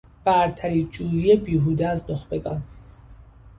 برتری جویی بیهوده از نخبگان